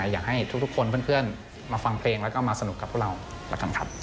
อยากให้ทุกคนเพื่อนมาฟังเพลงแล้วก็มาสนุกกับพวกเราแล้วกันครับ